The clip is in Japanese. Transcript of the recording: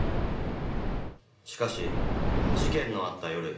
しかし事件のあった夜。